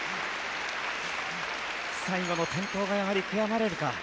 最後の転倒がやはり悔やまれるか。